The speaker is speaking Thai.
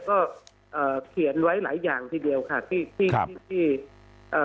ก็เอ่อเขียนไว้หลายอย่างทีเดียวค่ะที่ที่ที่เอ่อ